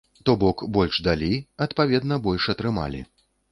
То бок, больш далі, адпаведна, больш атрымалі.